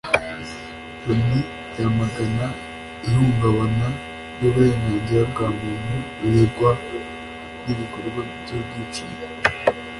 Loni yamagana ihungabana ry’uburenganzira bwa muntu rirangwa n’ibikorwa by’ubwicanyi